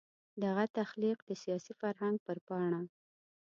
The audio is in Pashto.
دغه تخلیق د سیاسي فرهنګ پر پاڼه.